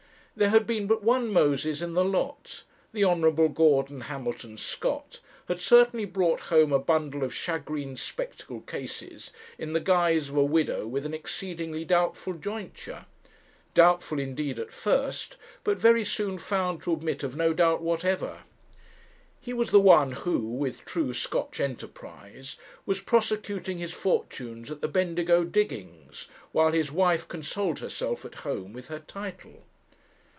There had been but one Moses in the lot: the Hon. Gordon Hamilton Scott had certainly brought home a bundle of shagreen spectacle cases in the guise of a widow with an exceedingly doubtful jointure; doubtful indeed at first, but very soon found to admit of no doubt whatever. He was the one who, with true Scotch enterprise, was prosecuting his fortunes at the Bendigo diggings, while his wife consoled herself at home with her title.